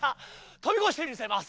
飛び越してみせます。